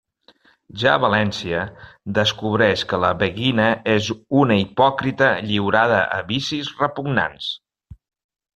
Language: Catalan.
Ja a València, descobreix que la beguina és una hipòcrita lliurada a vicis repugnants.